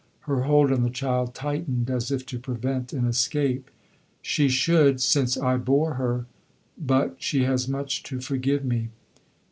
Her hold on the child tightened, as if to prevent an escape. "She should, since I bore her. But she has much to forgive me."